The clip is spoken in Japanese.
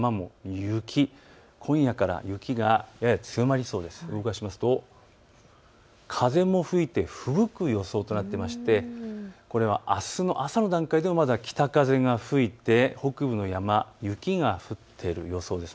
動かしますと風も吹いてふぶく予想となっていましてこれはあすの朝の段階でも北風が吹いて北部の山、雪が降っている予想です。